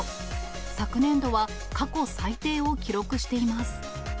昨年度は過去最低を記録しています。